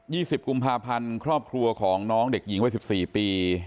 สิบกุมภาพันธ์ครอบครัวของน้องเด็กหญิงวัยสิบสี่ปี